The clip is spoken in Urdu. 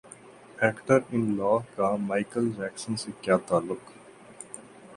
ایکٹر ان لا کا مائیکل جیکسن سے کیا تعلق